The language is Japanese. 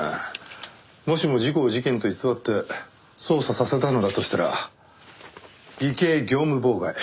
もしも事故を事件と偽って捜査させたのだとしたら偽計業務妨害。